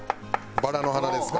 バラの花ですか？